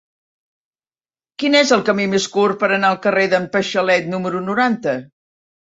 Quin és el camí més curt per anar al carrer d'en Paixalet número noranta?